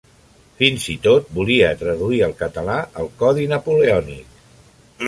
Fins i tot volia traduir al català el Codi Napoleònic.